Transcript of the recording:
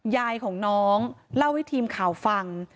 ยายของน้องเล่าให้ทีมข่าวฟัง